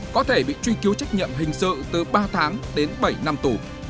có thể bị truy cứu trách nhiệm hình sự từ ba tháng đến bảy năm tù